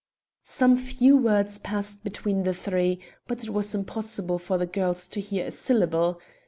Some few words passed between the three, but it was impossible for the girls to hear a syllable.